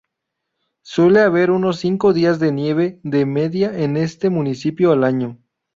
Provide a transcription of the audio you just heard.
Suele haber unos cinco días de nieve de media en este municipio al año.